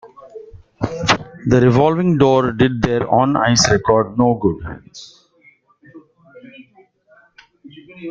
The revolving door did their on-ice record no good.